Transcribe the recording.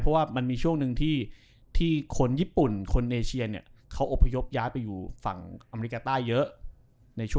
เพราะว่ามันมีช่วงหนึ่งที่คนญี่ปุ่นคนเอเชียเนี่ยเขาอบพยพย้ายไปอยู่ฝั่งอเมริกาใต้เยอะ